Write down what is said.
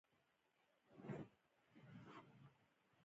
زه مو په تمه یم